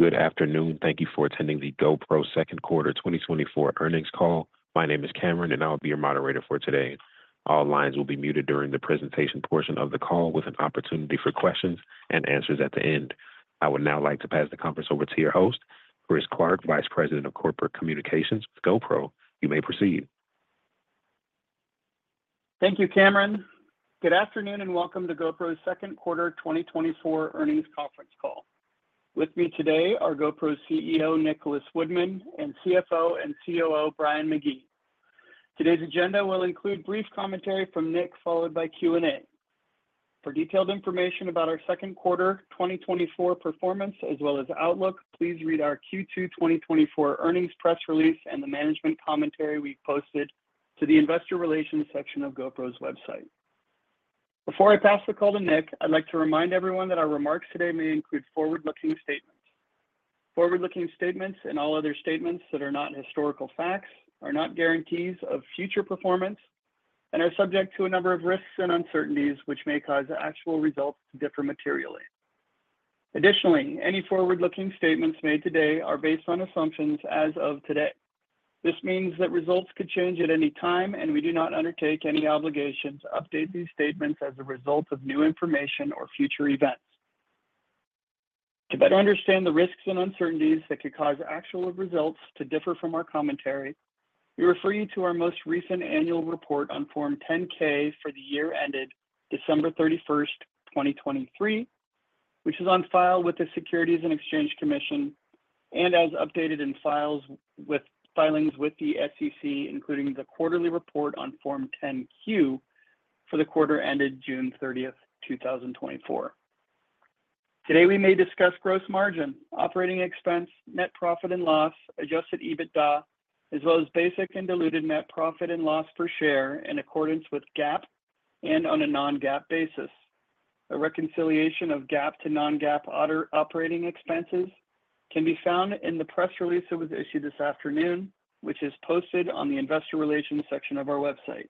Good afternoon. Thank you for attending the GoPro second quarter 2024 earnings call. My name is Cameron, and I'll be your moderator for today. All lines will be muted during the presentation portion of the call, with an opportunity for questions and answers at the end. I would now like to pass the conference over to your host, Chris Clark, Vice President of Corporate Communications with GoPro. You may proceed. Thank you, Cameron. Good afternoon, and welcome to GoPro's Q2 2024 earnings conference call. With me today are GoPro's CEO, Nicholas Woodman, and CFO and COO, Brian McGee. Today's agenda will include brief commentary from Nick, followed by Q&A. For detailed information about our Q2 2024 performance, as well as outlook, please read our Q2 2024 earnings press release and the management commentary we posted to the investor relations section of GoPro's website. Before I pass the call to Nick, I'd like to remind everyone that our remarks today may include forward-looking statements. Forward-looking statements, and all other statements that are not historical facts, are not guarantees of future performance and are subject to a number of risks and uncertainties, which may cause the actual results to differ materially. Additionally, any forward-looking statements made today are based on assumptions as of today. This means that results could change at any time, and we do not undertake any obligation to update these statements as a result of new information or future events. To better understand the risks and uncertainties that could cause actual results to differ from our commentary, we refer you to our most recent annual report on Form 10-K for the year ended December 31, 2023, which is on file with the Securities and Exchange Commission, and as updated in filings with the SEC, including the quarterly report on Form 10-Q for the quarter ended June 30, 2024. Today, we may discuss gross margin, operating expense, net profit and loss, adjusted EBITDA, as well as basic and diluted net profit and loss per share in accordance with GAAP and on a non-GAAP basis. A reconciliation of GAAP to non-GAAP other operating expenses can be found in the press release that was issued this afternoon, which is posted on the investor relations section of our website.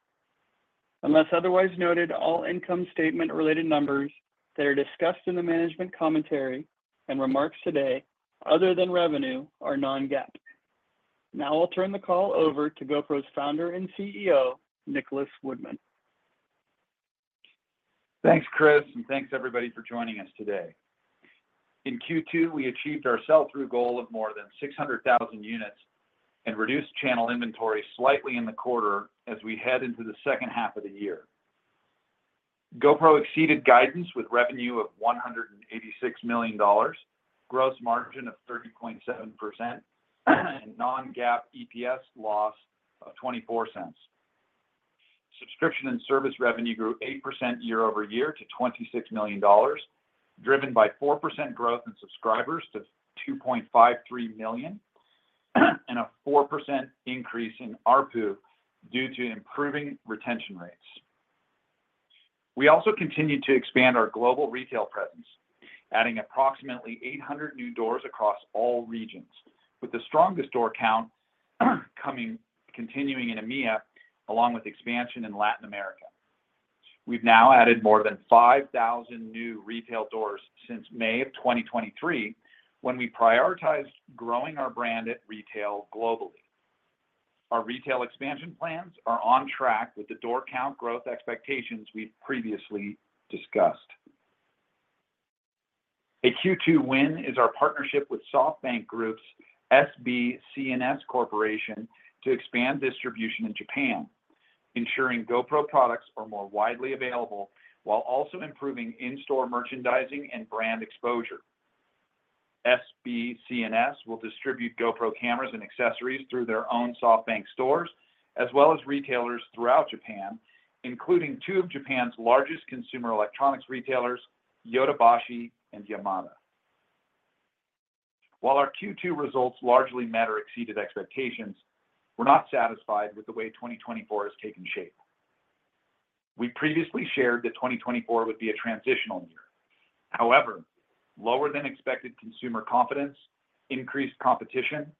Unless otherwise noted, all income statement-related numbers that are discussed in the management commentary and remarks today, other than revenue, are non-GAAP. Now I'll turn the call over to GoPro's founder and CEO, Nicholas Woodman. Thanks, Chris, and thanks everybody for joining us today. In Q2, we achieved our sell-through goal of more than 600,000 units and reduced channel inventory slightly in the quarter as we head into the second half of the year. GoPro exceeded guidance with revenue of $186 million, gross margin of 30.7%, and non-GAAP EPS loss of $0.24. Subscription and service revenue grew 8% year-over-year to $26 million, driven by 4% growth in subscribers to 2.53 million, and a 4% increase in ARPU due to improving retention rates. We also continued to expand our global retail presence, adding approximately 800 new doors across all regions, with the strongest door count continuing in EMEA, along with expansion in Latin America. We've now added more than 5,000 new retail doors since May of 2023, when we prioritized growing our brand at retail globally. Our retail expansion plans are on track with the door count growth expectations we've previously discussed. A Q2 win is our partnership with SoftBank Group's SB C&S Corporation to expand distribution in Japan, ensuring GoPro products are more widely available while also improving in-store merchandising and brand exposure. SB C&S will distribute GoPro cameras and accessories through their own SoftBank stores, as well as retailers throughout Japan, including two of Japan's largest consumer electronics retailers, Yodobashi and Yamada. While our Q2 results largely met or exceeded expectations, we're not satisfied with the way 2024 has taken shape. We previously shared that 2024 would be a transitional year. However, lower than expected consumer confidence, increased competition,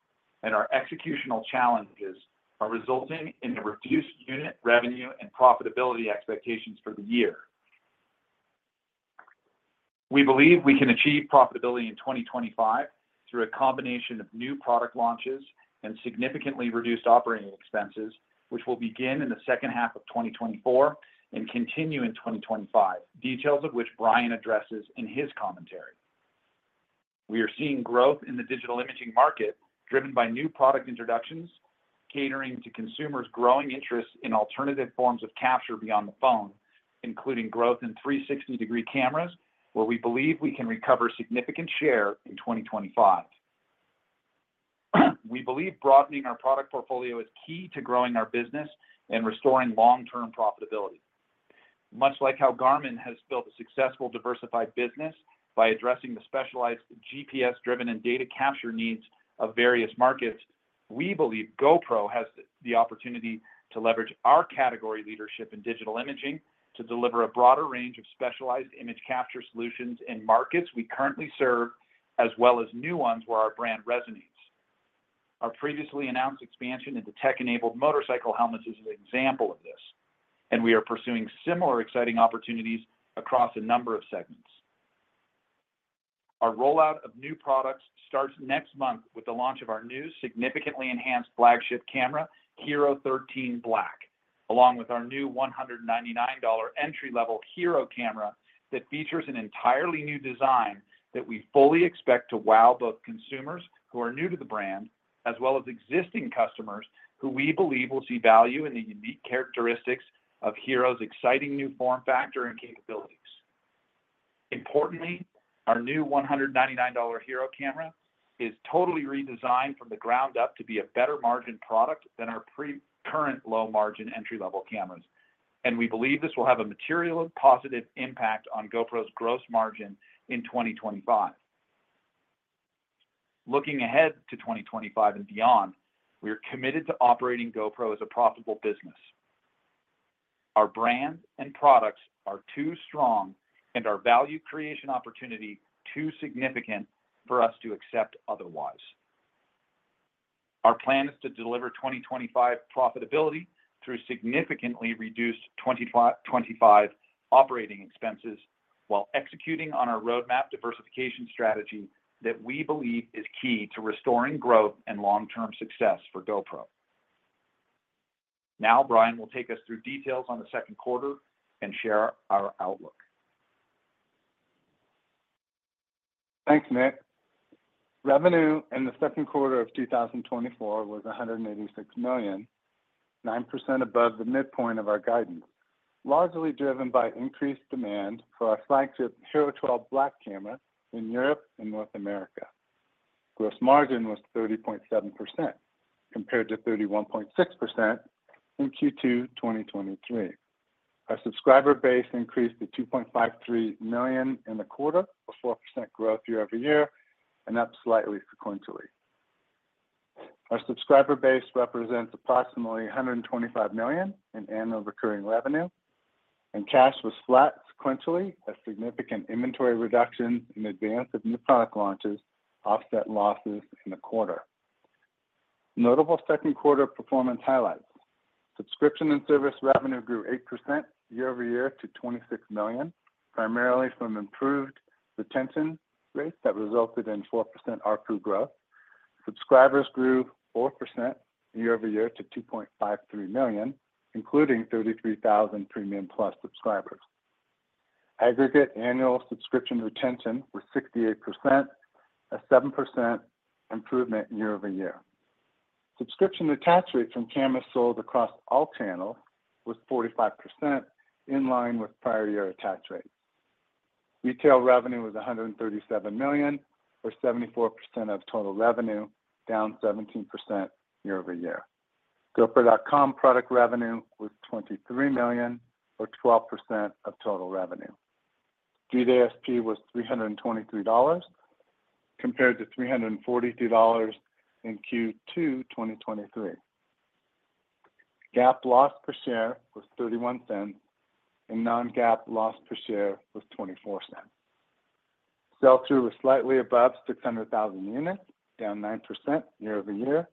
and our executional challenges are resulting in a reduced unit revenue and profitability expectations for the year. We believe we can achieve profitability in 2025 through a combination of new product launches and significantly reduced operating expenses, which will begin in the second half of 2024 and continue in 2025. Details of which Brian addresses in his commentary. We are seeing growth in the digital imaging market, driven by new product introductions, catering to consumers' growing interest in alternative forms of capture beyond the phone, including growth in 360-degree cameras, where we believe we can recover significant share in 2025. We believe broadening our product portfolio is key to growing our business and restoring long-term profitability. Much like how Garmin has built a successful, diversified business by addressing the specialized GPS-driven and data capture needs of various markets, we believe GoPro has the opportunity to leverage our category leadership in digital imaging to deliver a broader range of specialized image capture solutions in markets we currently serve, as well as new ones where our brand resonates. Our previously announced expansion into tech-enabled motorcycle helmets is an example of this, and we are pursuing similar exciting opportunities across a number of segments. Our rollout of new products starts next month with the launch of our new significantly enhanced flagship camera, HERO13 Black, along with our new $199 entry-level HERO camera that features an entirely new design that we fully expect to wow both consumers who are new to the brand, as well as existing customers, who we believe will see value in the unique characteristics of HERO's exciting new form factor and capabilities. Importantly, our new $199 HERO camera is totally redesigned from the ground up to be a better margin product than our pre-current low-margin entry-level cameras, and we believe this will have a material positive impact on GoPro's gross margin in 2025. Looking ahead to 2025 and beyond, we are committed to operating GoPro as a profitable business. Our brand and products are too strong, and our value creation opportunity, too significant for us to accept otherwise. Our plan is to deliver 2025 profitability through significantly reduced '25 operating expenses while executing on our roadmap diversification strategy that we believe is key to restoring growth and long-term success for GoPro. Now, Brian will take us through details on the second quarter and share our outlook. Thanks, Nick. Revenue in the second quarter of 2024 was $186 million, 9% above the midpoint of our guidance, largely driven by increased demand for our flagship HERO12 Black camera in Europe and North America. Gross margin was 30.7%, compared to 31.6% in Q2 2023. Our subscriber base increased to 2.53 million in the quarter, a 4% growth year-over-year, and up slightly sequentially. Our subscriber base represents approximately $125 million in annual recurring revenue, and cash was flat sequentially, as significant inventory reductions in advance of new product launches offset losses in the quarter. Notable second quarter performance highlights: Subscription and service revenue grew 8% year-over-year to $26 million, primarily from improved retention rates that resulted in 4% ARPU growth. Subscribers grew 4% year-over-year to 2.53 million, including 33,000 Premium+ subscribers. Aggregate annual subscription retention was 68%, a 7% improvement year-over-year. Subscription attaches rates from cameras sold across all channels was 45%, in line with prior year attach rates. Retail revenue was $137 million, or 74% of total revenue, down 17% year-over-year. GoPro.com product revenue was $23 million, or 12% of total revenue. Street ASP was $323, compared to $342 in Q2 2023. GAAP loss per share was $0.31, and non-GAAP loss per share was $0.24. Sell-through was slightly above 600,000 units, down 9% year-over-year.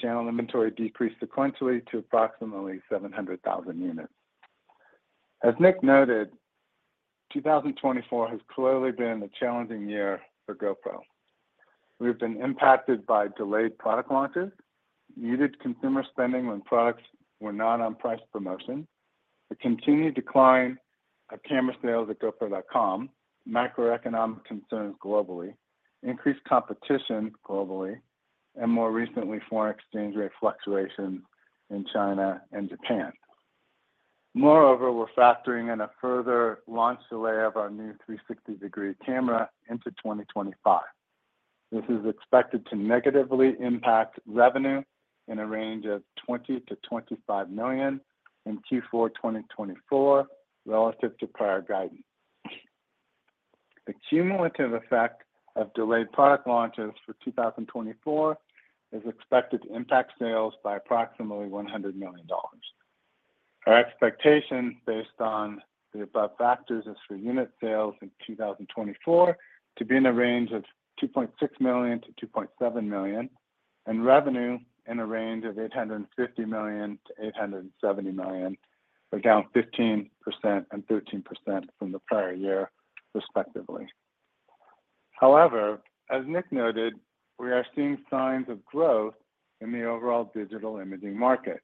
Channel inventory decreased sequentially to approximately 700,000 units. As Nick noted, 2024 has clearly been a challenging year for GoPro. We've been impacted by delayed product launches, muted consumer spending when products were not on price promotion, the continued decline of camera sales at GoPro.com, macroeconomic concerns globally, increased competition globally, and more recently, foreign exchange rate fluctuations in China and Japan. Moreover, we're factoring in a further launch delay of our new 360-degree camera into 2025. This is expected to negatively impact revenue in a range of $20 million-$25 million in Q4 2024, relative to prior guidance. The cumulative effect of delayed product launches for 2024 is expected to impact sales by approximately $100 million. Our expectations, based on the above factors, is for unit sales in 2024 to be in a range of 2.6 million-2.7 million, and revenue in a range of $850 million-$870 million, or down 15% and 13% from the prior year, respectively. However, as Nick noted, we are seeing signs of growth in the overall digital imaging market,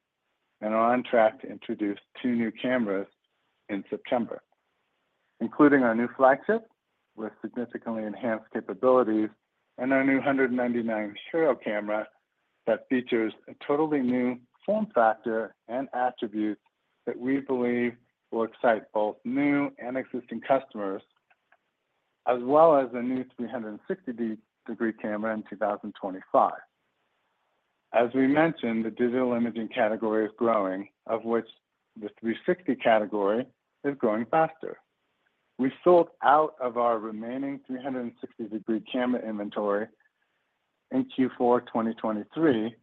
and are on track to introduce two new cameras in September, including our new flagship with significantly enhanced capabilities and our new $199 HERO camera that features a totally new form factor and attributes that we believe will excite both new and existing customers, as well as a new 360-degree camera in 2025. As we mentioned, the digital imaging category is growing, of which the 360 category is growing faster. We sold out of our remaining 360-degree camera inventory in Q4 2023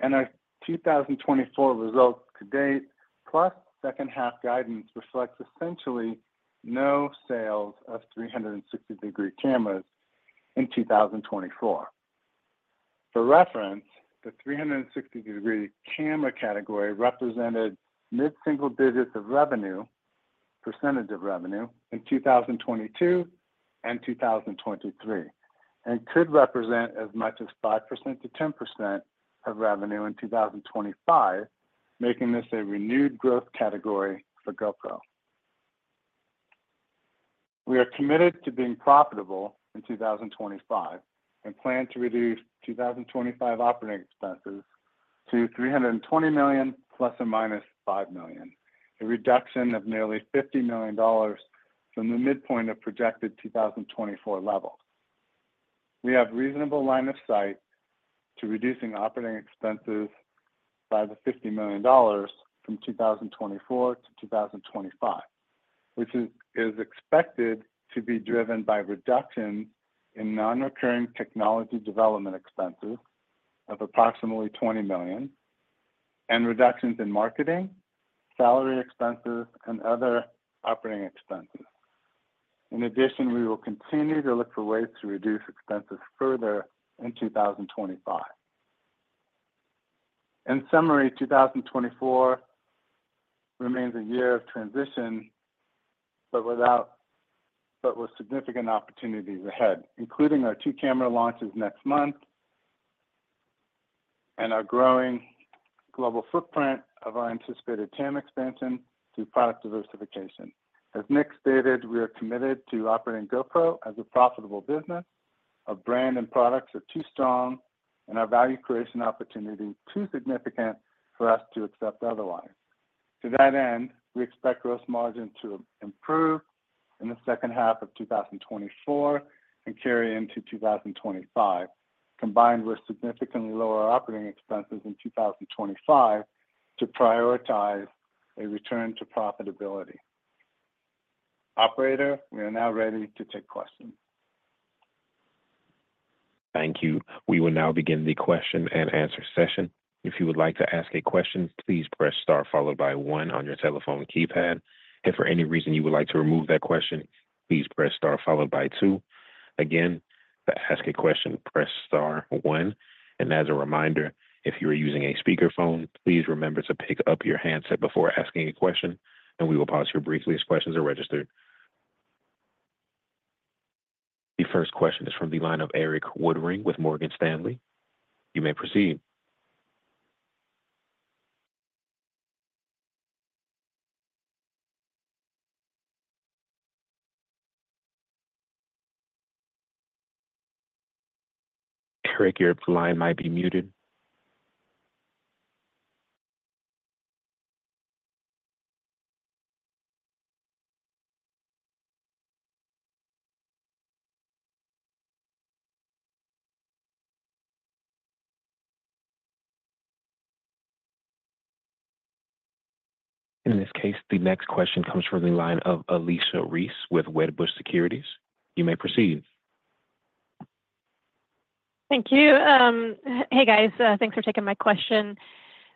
and our 2024 results to date, plus second half guidance reflects essentially no sales of 360-degree cameras in 2024. For reference, the 360-degree camera category represented mid-single digits of revenue, percentage of revenue, in 2022 and 2023, and could represent as much as 5%-10% of revenue in 2025, making this a renewed growth category for GoPro. We are committed to being profitable in 2025, and plan to reduce 2025 operating expenses to $320 million ± $5 million, a reduction of nearly $50 million from the midpoint of projected 2024 level. We have reasonable line of sight to reducing operating expenses by the $50 million from 2024 to 2025, which is expected to be driven by reduction in non-recurring technology development expenses of approximately $20 million, and reductions in marketing, salary expenses, and other operating expenses. In addition, we will continue to look for ways to reduce expenses further in 2025. In summary, 2024 remains a year of transition, but with significant opportunities ahead, including our two camera launches next month, and our growing global footprint of our anticipated TAM expansion through product diversification. As Nick stated, we are committed to operating GoPro as a profitable business. Our brand and products are too strong, and our value creation opportunity too significant for us to accept otherwise. To that end, we expect gross margin to improve in the second half of 2024 and carry into 2025, combined with significantly lower operating expenses in 2025 to prioritize a return to profitability. Operator, we are now ready to take questions. Thank you. We will now begin the question and answer session. If you would like to ask a question, please press star followed by one on your telephone keypad. If for any reason you would like to remove that question, please press star followed by two. Again, to ask a question, press star one. And as a reminder, if you are using a speakerphone, please remember to pick up your handset before asking a question, and we will pause here briefly as questions are registered. The first question is from the line of Erik Woodring with Morgan Stanley. You may proceed. Erik, your line might be muted. And in this case, the next question comes from the line of Alicia Reese with Wedbush Securities. You may proceed. Thank you. Hey, guys, thanks for taking my question.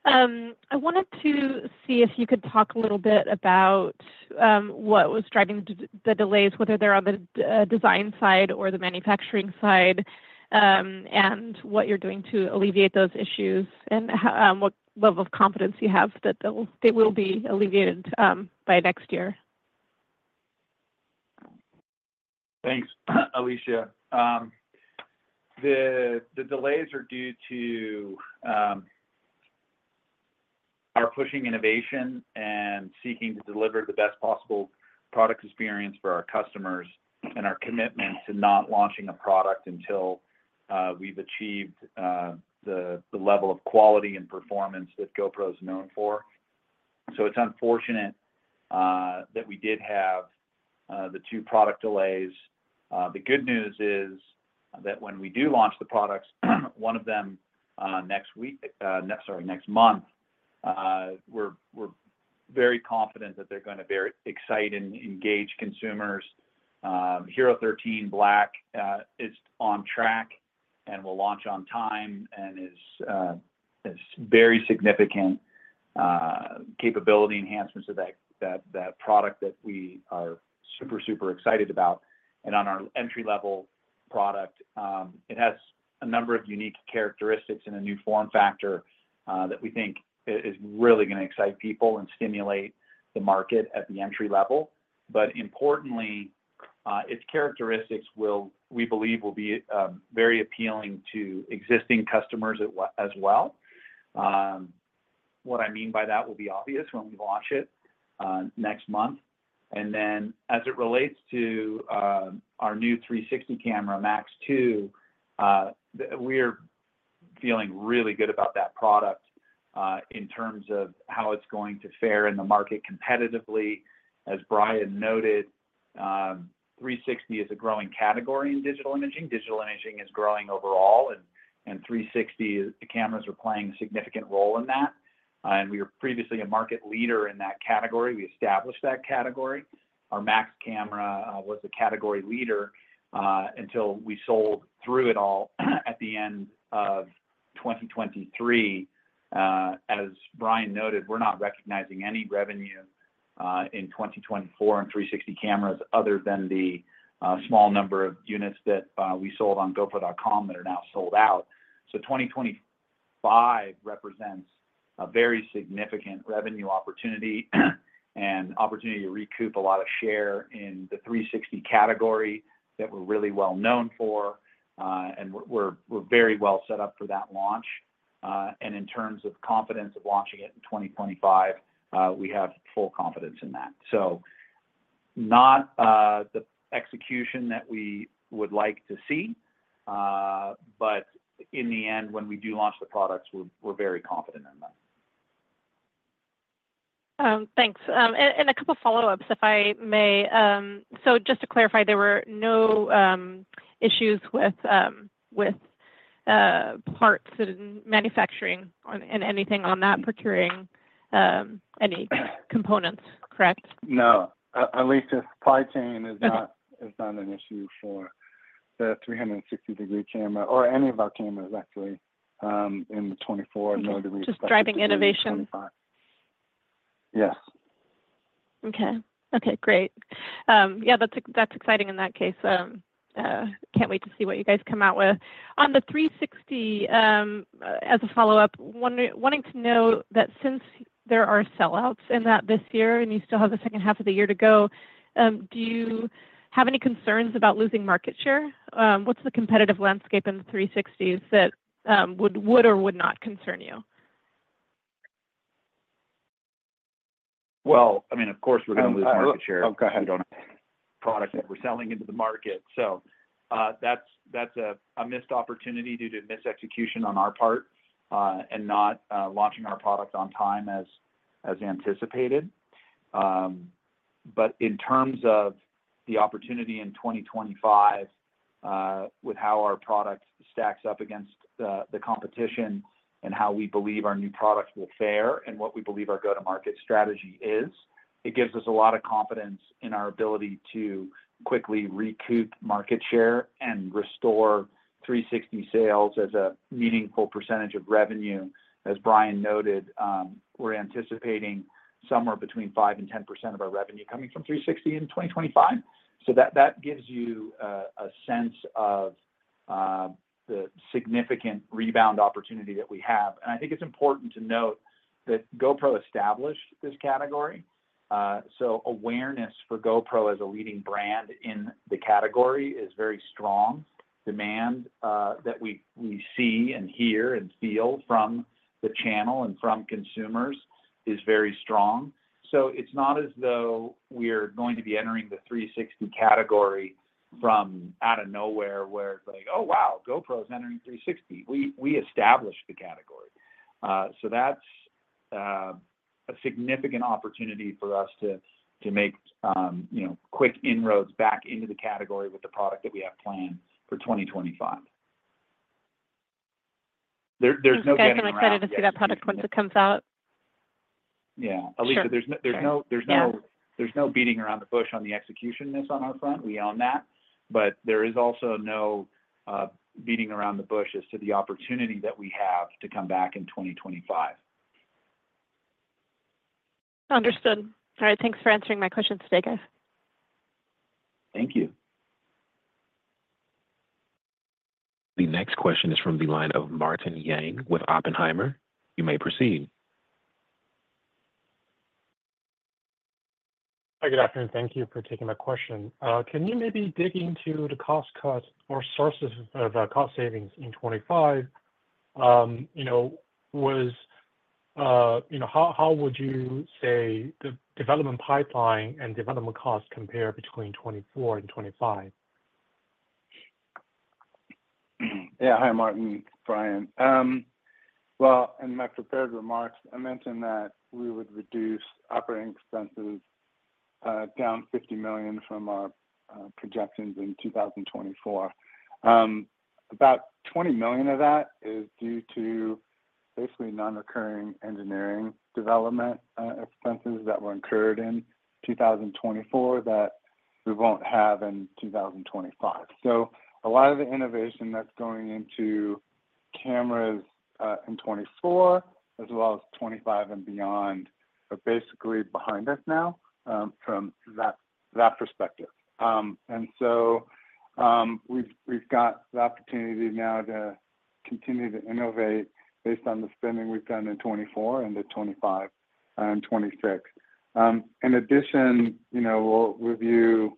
I wanted to see if you could talk a little bit about what was driving the delays, whether they're on the design side or the manufacturing side, and what you're doing to alleviate those issues, and what level of confidence you have that they will, they will be alleviated by next year? Thanks, Alicia. The delays are due to our pushing innovation and seeking to deliver the best possible product experience for our customers, and our commitment to not launching a product until we've achieved the level of quality and performance that GoPro is known for. So it's unfortunate that we did have the two product delays. The good news is that when we do launch the products, one of them next week, next... Sorry, next month, we're very confident that they're gonna very excite and engage consumers. HERO13 Black is on track and will launch on time, and has very significant capability enhancements of that product that we are super, super excited about. And on our entry-level product, it has a number of unique characteristics and a new form factor that we think is really gonna excite people and stimulate the market at the entry level. But importantly, its characteristics will, we believe, be very appealing to existing customers as well. What I mean by that will be obvious when we launch it next month. And then, as it relates to our new 360 camera, MAX 2, we are feeling really good about that product in terms of how it's going to fare in the market competitively. As Brian noted, 360 is a growing category in digital imaging. Digital imaging is growing overall, and 360 cameras are playing a significant role in that... and we were previously a market leader in that category. We established that category. Our MAX camera was a category leader until we sold through it all at the end of 2023. As Brian noted, we're not recognizing any revenue in 2024 in 360 cameras other than the small number of units that we sold on GoPro.com that are now sold out. So 2025 represents a very significant revenue opportunity and opportunity to recoup a lot of share in the 360 category that we're really well known for, and we're, we're very well set up for that launch. And in terms of confidence of launching it in 2025, we have full confidence in that. So not the execution that we would like to see, but in the end, when we do launch the products, we're, we're very confident in that. Thanks. And a couple follow-ups, if I may. So just to clarify, there were no issues with parts and manufacturing and anything on that procuring any components, correct? No. At least the supply chain is not- Okay... is not an issue for the 360-degree camera or any of our cameras, actually, in the '24 or '25 Just driving innovation Yes. Okay. Okay, great. Yeah, that's exciting in that case. Can't wait to see what you guys come out with. On the 360, as a follow-up, wanting to know that since there are sellouts in that this year, and you still have the second half of the year to go, do you have any concerns about losing market share? What's the competitive landscape in the 360s that would or would not concern you? Well, I mean, of course, we're gonna lose market share- Oh, go ahead. If we don't have product that we're selling into the market. So, that's a missed opportunity due to mis execution on our part, and not launching our product on time as anticipated. But in terms of the opportunity in 2025, with how our product stacks up against the competition and how we believe our new products will fare and what we believe our go-to-market strategy is, it gives us a lot of confidence in our ability to quickly recoup market share and restore 360 sales as a meaningful percentage of revenue. As Brian noted, we're anticipating somewhere between 5% and 10% of our revenue coming from 360 in 2025. So that gives you a sense of the significant rebound opportunity that we have. I think it's important to note that GoPro established this category, so awareness for GoPro as a leading brand in the category is very strong. Demand that we see and hear and feel from the channel and from consumers is very strong. So it's not as though we're going to be entering the 360 category from out of nowhere, where it's like, "Oh, wow, GoPro is entering 360." We established the category. So that's a significant opportunity for us to make, you know, quick inroads back into the category with the product that we have planned for 2025. There's no- I'm excited to see that product once it comes out. Yeah. Sure. Alicia, there's no- Yeah... there's no beating around the bush on the execution on this on our front. We own that, but there is also no beating around the bush as to the opportunity that we have to come back in 2025. Understood. All right, thanks for answering my questions today, guys. Thank you. The next question is from the line of Martin Yang with Oppenheimer. You may proceed. Hi, good afternoon. Thank you for taking my question. Can you maybe dig into the cost cuts or sources of cost savings in 2025? You know, how would you say the development pipeline and development costs compare between 2024 and 2025? Yeah. Hi, Martin, Brian. Well, in my prepared remarks, I mentioned that we would reduce operating expenses down $50 million from our projections in 2024. About $20 million of that is due to basically non-recurring engineering development expenses that were incurred in 2024 that we won't have in 2025. So a lot of the innovation that's going into cameras in 2024, as well as 2025 and beyond, are basically behind us now from that perspective. And so we've got the opportunity now to continue to innovate based on the spending we've done in 2024 into 2025 and 2026. In addition, you know, we'll review,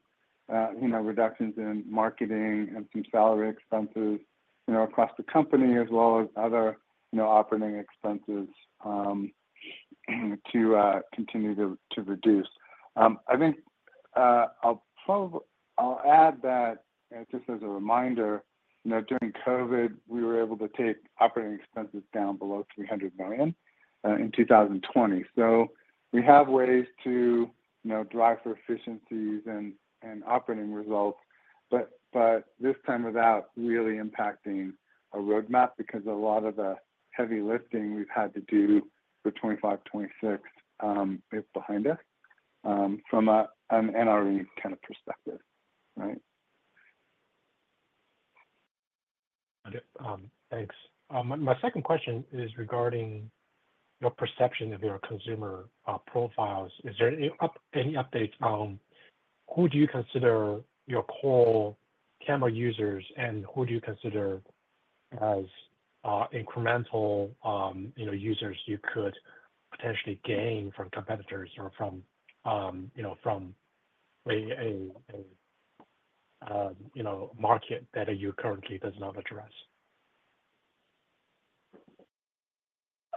you know, reductions in marketing and some salary expenses, you know, across the company, as well as other, you know, operating expenses, to continue to reduce. I think, I'll add that, just as a reminder, you know, during COVID, we were able to take operating expenses down below $300 million, in 2020. So we have ways to, you know, drive for efficiencies and operating results... but this time, without really impacting a roadmap, because a lot of the heavy lifting we've had to do for 2025, 2026, is behind us, from a, an NRE kind of perspective, right? Okay, thanks. My second question is regarding your perception of your consumer profiles. Is there any updates on who do you consider your core camera users, and who do you consider as incremental, you know, users you could potentially gain from competitors or from, you know, from a market that you currently does not address?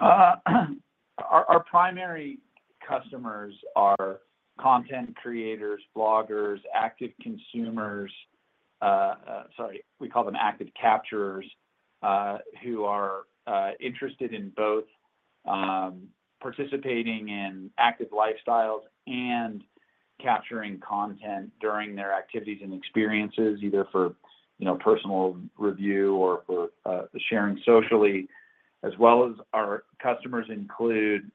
Our primary customers are content creators, bloggers, active consumers. Sorry, we call them active capturers, who are interested in both participating in active lifestyles and capturing content during their activities and experiences, either for, you know, personal review or for sharing socially. As well as our customers include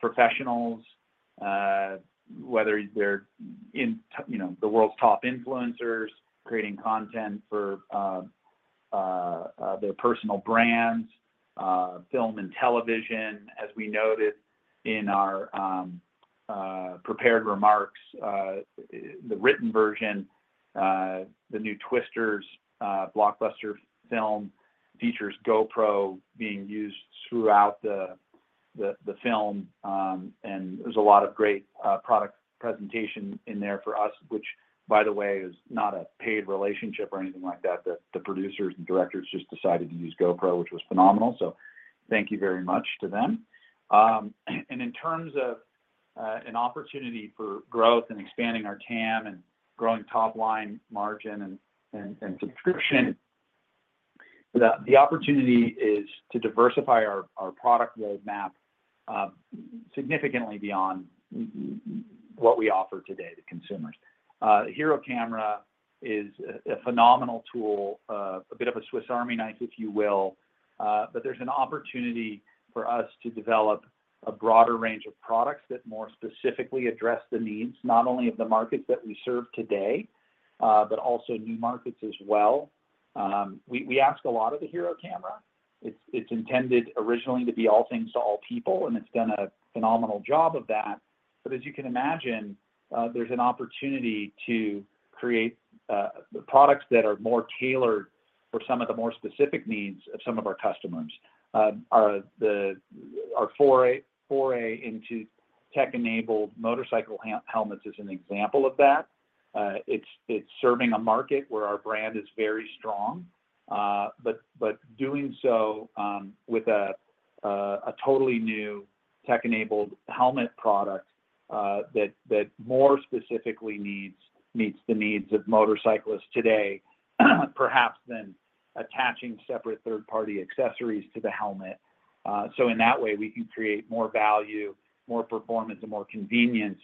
professionals, whether they're in, you know, the world's top influencers, creating content for their personal brands, film and television. As we noted in our prepared remarks, the written version, the new Twisters blockbuster film features GoPro being used throughout the film. And there's a lot of great product presentation in there for us, which, by the way, is not a paid relationship or anything like that. The producers and directors just decided to use GoPro, which was phenomenal, so thank you very much to them. And in terms of an opportunity for growth and expanding our TAM and growing top-line margin and subscription, the opportunity is to diversify our product roadmap significantly beyond what we offer today to consumers. HERO camera is a phenomenal tool, a bit of a Swiss Army knife, if you will. But there's an opportunity for us to develop a broader range of products that more specifically address the needs, not only of the markets that we serve today, but also new markets as well. We ask a lot of the HERO camera. It's intended originally to be all things to all people, and it's done a phenomenal job of that. But as you can imagine, there's an opportunity to create the products that are more tailored for some of the more specific needs of some of our customers. Our foray into tech-enabled motorcycle helmets is an example of that. It's serving a market where our brand is very strong, but doing so with a totally new tech-enabled helmet product that more specifically meets the needs of motorcyclists today, perhaps than attaching separate third-party accessories to the helmet. So in that way, we can create more value, more performance, and more convenience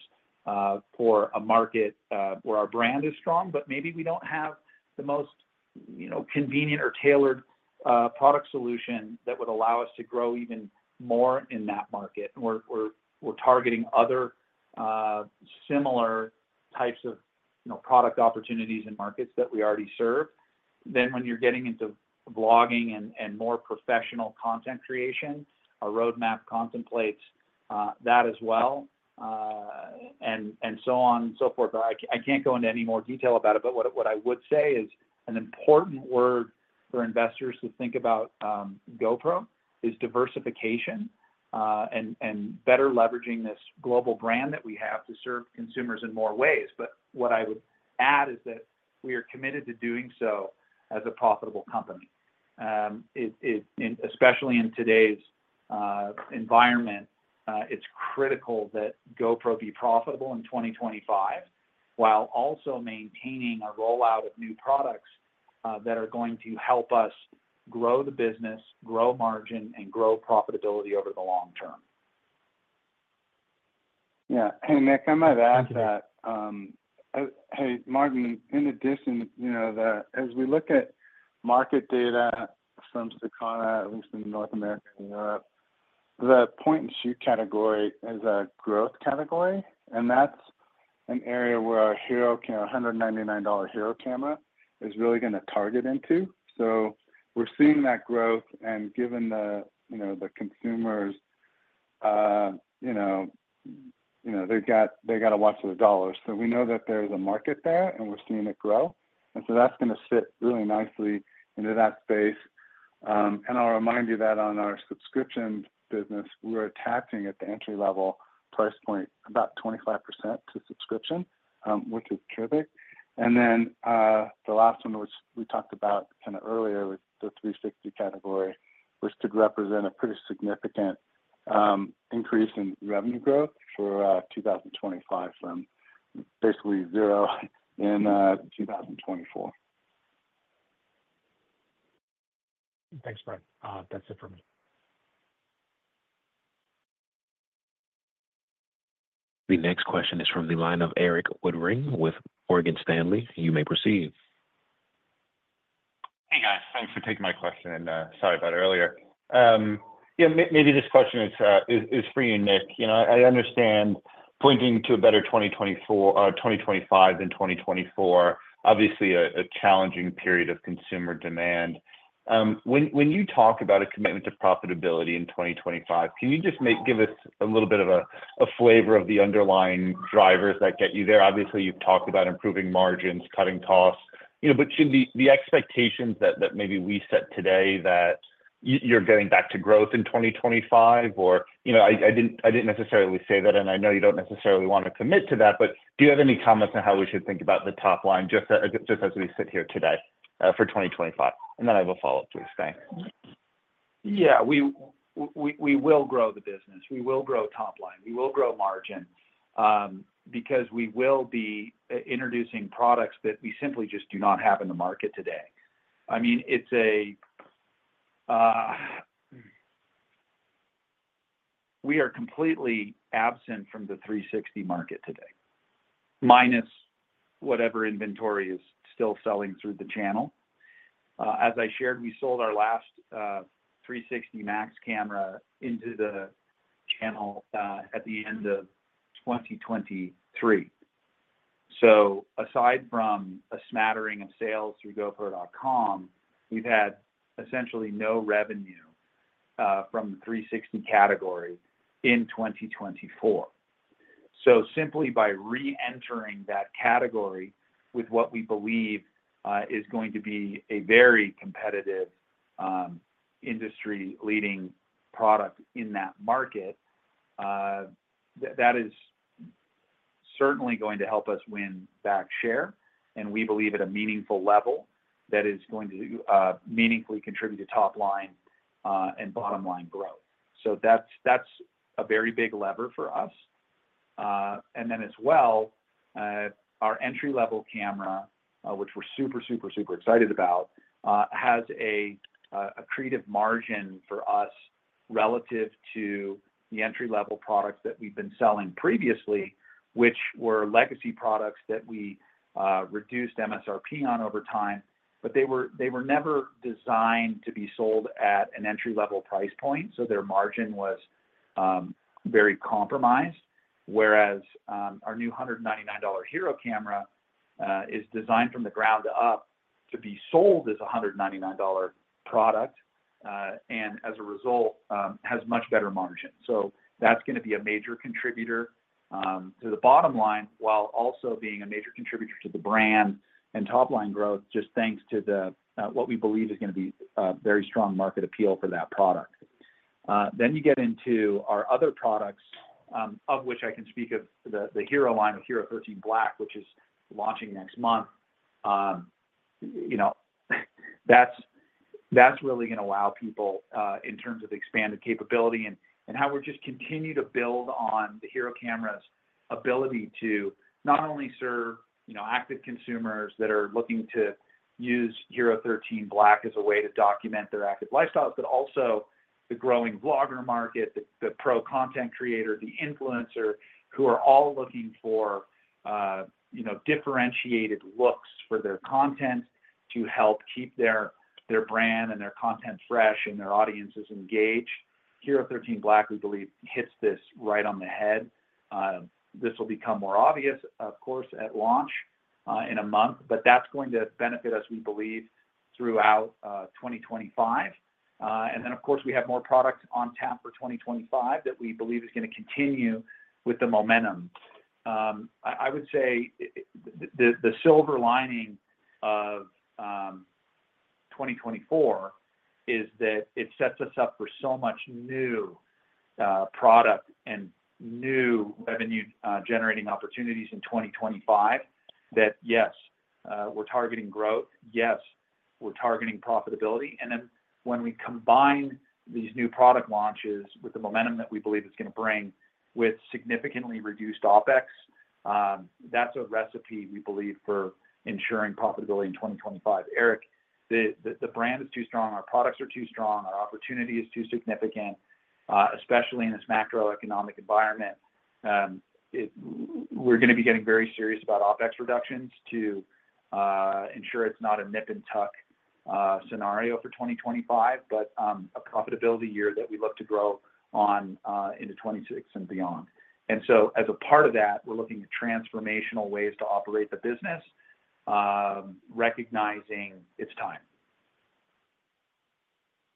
for a market where our brand is strong, but maybe we don't have the most, you know, convenient or tailored product solution that would allow us to grow even more in that market. And we're targeting other, similar types of, you know, product opportunities and markets that we already serve. Then when you're getting into vlogging and more professional content creation, our roadmap contemplates that as well, and so on and so forth. But I can't go into any more detail about it, but what I would say is an important word for investors to think about, GoPro, is diversification, and better leveraging this global brand that we have to serve consumers in more ways. But what I would add is that we are committed to doing so as a profitable company. Especially in today's environment, it's critical that GoPro be profitable in 2025, while also maintaining a rollout of new products that are going to help us grow the business, grow margin, and grow profitability over the long term. Yeah. Hey, Nick, I might add to that- Thank you. Hey, Martin, in addition, you know, as we look at market data from Circana, at least in North America and Europe, the point-and-shoot category is a growth category, and that's an area where our HERO camera, $199 HERO camera, is really gonna target into. So we're seeing that growth, and given the, you know, the consumers, you know, you know, they gotta watch their dollars. So we know that there's a market there, and we're seeing it grow, and so that's gonna fit really nicely into that space. And I'll remind you that on our subscription business, we're attaching at the entry-level price point, about 25% to subscription, which is terrific. And then, the last one, which we talked about kind of earlier, was the 360 category, which could represent a pretty significant increase in revenue growth for 2025 from basically zero in 2024. Thanks, Brian. That's it for me.... The next question is from the line of Erik Woodring with Morgan Stanley. You may proceed. Hey, guys. Thanks for taking my question, and sorry about earlier. Yeah, maybe this question is for you, Nick. You know, I understand pointing to a better 2024, 2025 than 2024, obviously, a challenging period of consumer demand. When you talk about a commitment to profitability in 2025, can you just give us a little bit of a flavor of the underlying drivers that get you there? Obviously, you've talked about improving margins, cutting costs, you know, but should the expectations that maybe we set today that you're getting back to growth in 2025, or... You know, I didn't necessarily say that, and I know you don't necessarily want to commit to that, but do you have any comments on how we should think about the top line just as we sit here today for 2025? And then I have a follow-up, please. Thanks. Yeah, we will grow the business. We will grow top line. We will grow margin, because we will be introducing products that we simply just do not have in the market today. I mean, it's a we are completely absent from the 360 market today, minus whatever inventory is still selling through the channel. As I shared, we sold our last 360 MAX camera into the channel, at the end of 2023. So aside from a smattering of sales through GoPro.com, we've had essentially no revenue, from the 360 category in 2024. So simply by reentering that category with what we believe is going to be a very competitive industry-leading product in that market, that is certainly going to help us win back share, and we believe at a meaningful level that is going to meaningfully contribute to top line and bottom line growth. So that's, that's a very big lever for us. And then as well, our entry-level camera, which we're super, super, super excited about, has a accretive margin for us relative to the entry-level products that we've been selling previously, which were legacy products that we reduced MSRP on over time. But they were never designed to be sold at an entry-level price point, so their margin was very compromised, whereas our new $199 HERO camera is designed from the ground up to be sold as a $199 product, and as a result has much better margin. So that's gonna be a major contributor to the bottom line, while also being a major contributor to the brand and top-line growth, just thanks to the what we believe is gonna be a very strong market appeal for that product. Then you get into our other products, of which I can speak of the HERO line, the HERO13 Black, which is launching next month. You know, that's, that's really gonna allow people in terms of expanded capability and how we're just continuing to build on the HERO camera's ability to not only serve, you know, active consumers that are looking to use HERO13 Black as a way to document their active lifestyles, but also the growing vlogger market, the pro content creator, the influencer, who are all looking for, you know, differentiated looks for their content to help keep their brand and their content fresh, and their audiences engaged. HERO13 Black, we believe, hits this right on the head. This will become more obvious, of course, at launch in a month, but that's going to benefit us, we believe, throughout 2025. And then, of course, we have more products on tap for 2025 that we believe is gonna continue with the momentum. I would say the silver lining of 2024 is that it sets us up for so much new product and new revenue generating opportunities in 2025. That, yes, we're targeting growth, yes, we're targeting profitability, and then when we combine these new product launches with the momentum that we believe it's gonna bring with significantly reduced OpEx, that's a recipe we believe for ensuring profitability in 2025. Eric, the brand is too strong. Our products are too strong. Our opportunity is too significant, especially in this macroeconomic environment. We're gonna be getting very serious about OpEx reductions to ensure it's not a nip-and-tuck scenario for 2025, but a profitability year that we look to grow on into 2026 and beyond. As a part of that, we're looking at transformational ways to operate the business, recognizing it's time.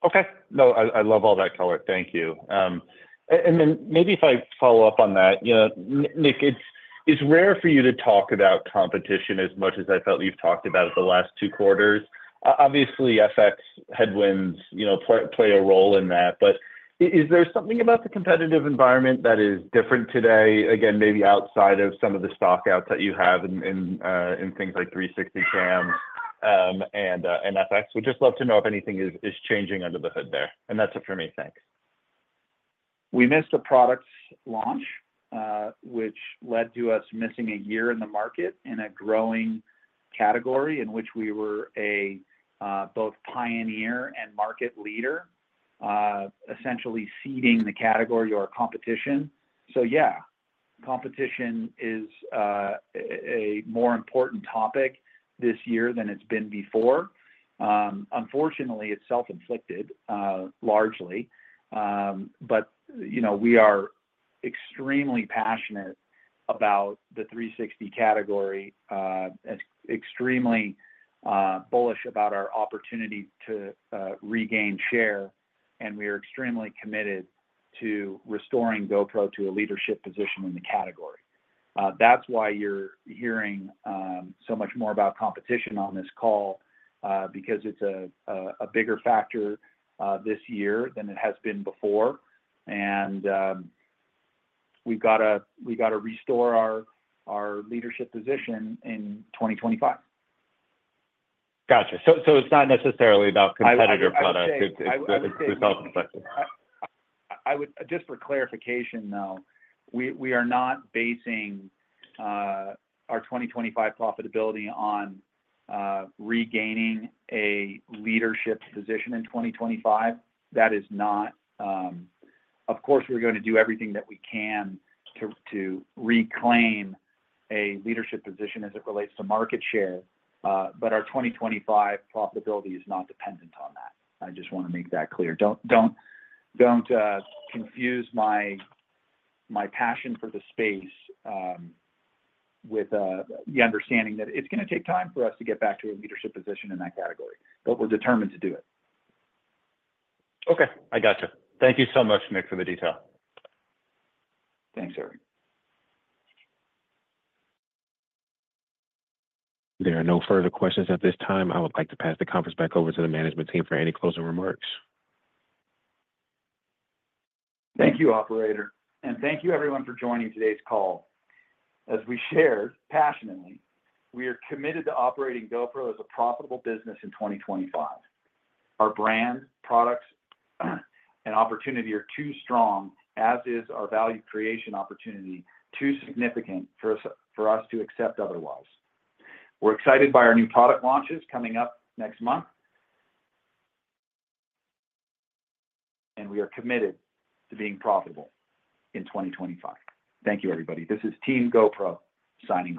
Okay. No, I love all that color. Thank you. And then maybe if I follow up on that, you know, Nick, it's rare for you to talk about competition as much as I felt you've talked about it the last two quarters. Obviously, FX headwinds, you know, play a role in that, but is there something about the competitive environment that is different today, again, maybe outside of some of the stock-outs that you have in things like three sixty cams, and FX? We'd just love to know if anything is changing under the hood there. That's it for me. Thanks. We missed a product launch, which led to us missing a year in the market in a growing category in which we were a both pioneer and market leader. Essentially ceding the category or competition. So yeah, competition is a more important topic this year than it's been before. Unfortunately, it's self-inflicted largely. But, you know, we are extremely passionate about the 360 category and extremely bullish about our opportunity to regain share, and we are extremely committed to restoring GoPro to a leadership position in the category. That's why you're hearing so much more about competition on this call because it's a bigger factor this year than it has been before. And we've gotta restore our leadership position in 2025. Gotcha. So, it's not necessarily about competitor products- I would say- It's self-inflicted. I would... Just for clarification, though, we are not basing our 2025 profitability on regaining a leadership position in 2025. That is not... Of course, we're gonna do everything that we can to reclaim a leadership position as it relates to market share, but our 2025 profitability is not dependent on that. I just wanna make that clear. Don't confuse my passion for the space with the understanding that it's gonna take time for us to get back to a leadership position in that category, but we're determined to do it. Okay, I gotcha. Thank you so much, Nick, for the detail. Thanks, Erik. There are no further questions at this time. I would like to pass the conference back over to the management team for any closing remarks. Thank you, operator, and thank you everyone for joining today's call. As we shared passionately, we are committed to operating GoPro as a profitable business in 2025. Our brand, products, and opportunity are too strong, as is our value creation opportunity, too significant for us, for us to accept otherwise. We're excited by our new product launches coming up next month, and we are committed to being profitable in 2025. Thank you, everybody. This is Team GoPro signing off.